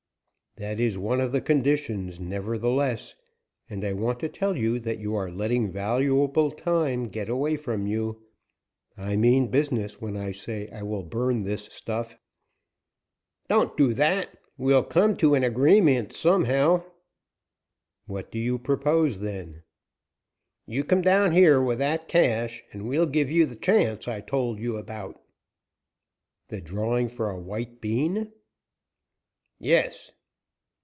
"That is one of the conditions, nevertheless, and I want to tell you that you are letting valuable time get away from you. I mean business when I say I will burn this stuff." "Don't do that; we'll come to an agreement somehow." "What do you propose, then?" "You come down here with that cash, and we'll give you the chance I told you about." "The drawing for a white bean?" "Yes."